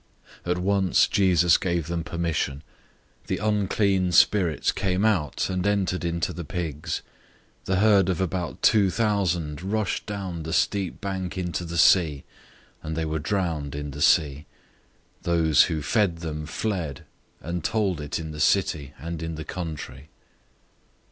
005:013 At once Jesus gave them permission. The unclean spirits came out and entered into the pigs. The herd of about two thousand rushed down the steep bank into the sea, and they were drowned in the sea. 005:014 Those who fed them fled, and told it in the city and in the country.